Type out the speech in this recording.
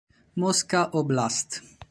Mosca Oblast.